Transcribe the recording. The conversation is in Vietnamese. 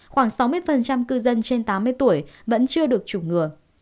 khoảng sáu mươi cư dân trên tám mươi tuổi vẫn chưa được chủng ngừa